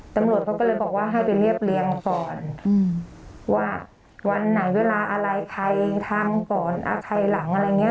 ตำรวจเขาก็เลยบอกว่าให้ไปเรียบเรียงก่อนว่าวันไหนเวลาอะไรใครทำก่อนใครหลังอะไรอย่างนี้